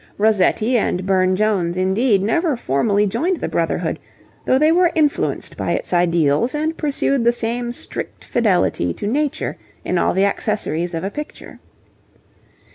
Rossetti and Burne Jones, indeed, never formally joined the Brotherhood, though they were influenced by its ideals and pursued the same strict fidelity to nature in all the accessories of a picture.